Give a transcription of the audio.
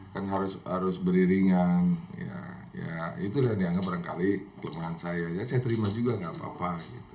kan harus beriringan ya itu sudah dianggap berangkali kelemahan saya ya saya terima juga gak apa apa